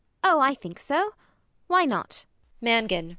Oh, I think so. Why not? MANGAN.